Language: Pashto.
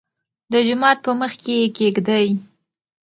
دجومات په مخکې يې کېږدۍ.